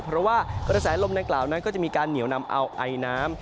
เพราะว่ากระแสลมดังกล่าวนั้นก็จะมีการเหนียวนำเอาไอน้ำ